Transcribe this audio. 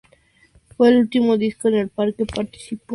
Fue el último disco en el que participó el guitarrista John McGeoch.